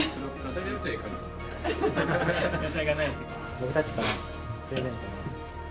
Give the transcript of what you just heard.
僕たちからプレゼントが。